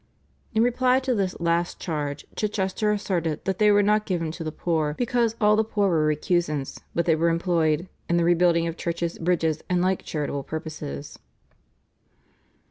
In reply to this last charge Chichester asserted that they were not given to the poor, because all the poor were recusants, but they were employed "in the rebuilding of churches, bridges, and like charitable purposes."